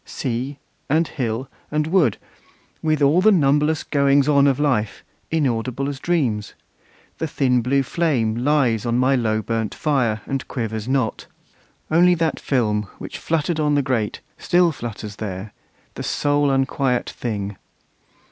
Sea, and hill, and wood, With all the numberless goings on of life, Inaudible as dreams! the thin blue flame Lies on my low burnt fire, and quivers not; Only that film, which fluttered on the grate, Still flutters there, the sole unquiet thing.